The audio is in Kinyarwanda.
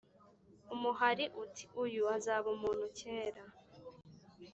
umuhari uti ” uyu azaba umuntu kera